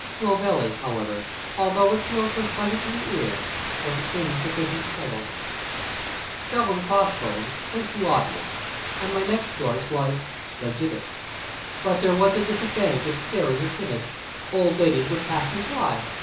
Clovelly, however, although its lilt was pleasant to the ear, was an insufficient title. Skull and Crossbones was too obvious, and my next choice was The Gibbet. But there was the disadvantage of scaring the timid. Old ladies would pass me by.